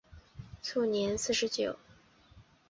卒年四十九。